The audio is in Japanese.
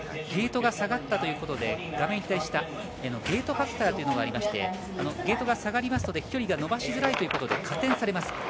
ゲートが下がったということで画面左下ゲートファクターがありましてゲートが下がりますと飛距離が伸ばしづらいということで加点されます。